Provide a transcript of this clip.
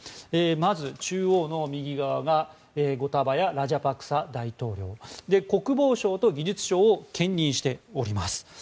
まず、中央の右側がゴタバヤ・ラジャパクサ大統領国防相と技術相を兼任しております。